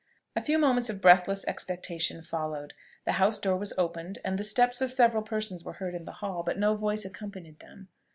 A few moments of breathless expectation followed. The house door was opened, and the steps of several persons were heard in the hall, but no voice accompanied them.